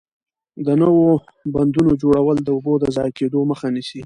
د نويو بندونو جوړول د اوبو د ضایع کېدو مخه نیسي.